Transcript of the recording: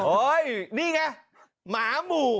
เฮ้ยนี่ไงหมาหมู่